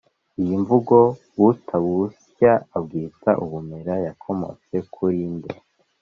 iyi mvugo “utabusya abwita ubumera” yakomotse kuri nde?